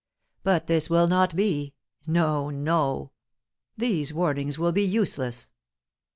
But this will not be. No, no! these warnings will be useless.